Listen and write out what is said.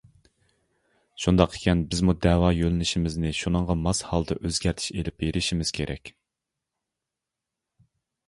شۇنداق ئىكەن بىزمۇ دەۋا يۆلىنىشىمىزنى شۇنىڭغا ماس ھالدا ئۆزگەرتىش ئېلىپ بېرىشىمىز كېرەك.